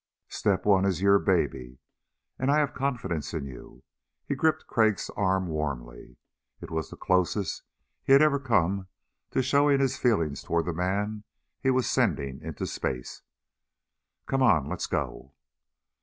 Step One is your baby and I have confidence in you." He gripped Crag's arm warmly. It was the closest he had ever come to showing his feelings toward the man he was sending into space. "Come on, let's go."